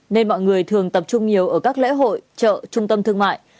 nên mọi người thường tập trung nhiều ở các lễ hội chợ trung tâm thương mại